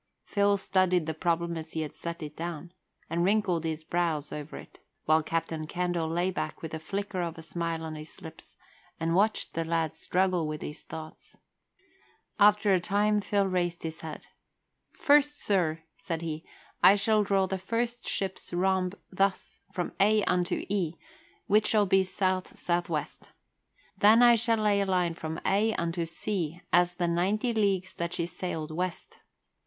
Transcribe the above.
Phil studied the problem as he had set it down, and wrinkled his brows over it, while Captain Candle lay back with a flicker of a smile on his lips and watched the lad struggle with his thoughts. After a time Phil raised his head. "First, sir," said he, "I shall draw the first ship's rhomb thus, from A unto E, which shall be south south west. Then I shall lay a line from A unto C as the ninety leagues that she sailed west.